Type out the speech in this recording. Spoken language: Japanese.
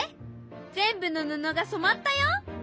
全部の布がそまったよ。